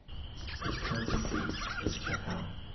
Its county seat is Chappell.